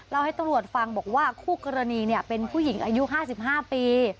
ให้ตำรวจฟังบอกว่าคู่กรณีเป็นผู้หญิงอายุ๕๕ปี